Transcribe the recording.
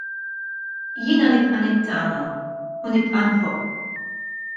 Jiena nibqa' nittama u nibqa' nħobb!